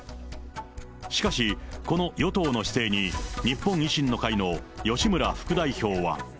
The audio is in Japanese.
しかし、この与党の姿勢に、日本維新の会の吉村副代表は。